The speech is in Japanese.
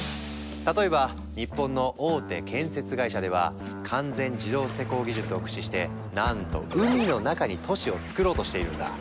例えば日本の大手建設会社では完全自動施工技術を駆使してなんと海の中に都市をつくろうとしているんだ。